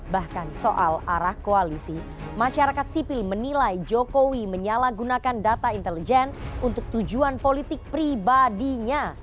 bahkan soal arah koalisi masyarakat sipil menilai jokowi menyalahgunakan data intelijen untuk tujuan politik pribadinya